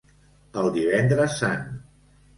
El Divendres Sant.